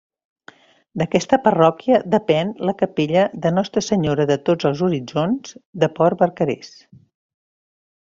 D'aquesta parròquia depèn la capella de Nostra Senyora de Tots els Horitzons, de Port Barcarès.